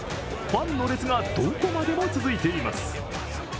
ファンの列がどこまでも続いています。